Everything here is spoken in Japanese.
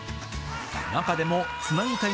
中でもつなぎたい！